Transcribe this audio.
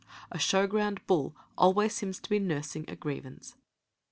A showground bull always seems to be nursing a grievance.